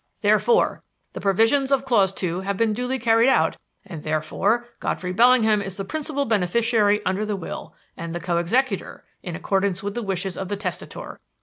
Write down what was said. Therefore the provisions of clause two have been duly carried out and therefore Godfrey Bellingham is the principal beneficiary under the will, and the co executor, in accordance with the wishes of the testator.